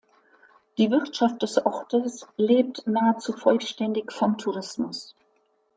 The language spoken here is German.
Die Wirtschaft des Ortes lebt nahezu vollständig vom Tourismus.